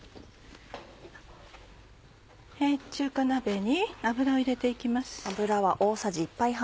中華鍋に油を入れて行きます。